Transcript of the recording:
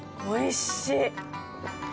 おいしい！